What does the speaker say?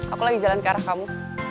aku lagi jalan ke arah kamu